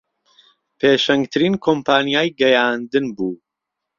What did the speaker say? پێشەنگترین کۆمپانیای گەیاندن بوو